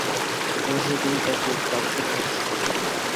অবশেষে তিনি তাকে তাকদীরের হাতে সোপর্দ করেন।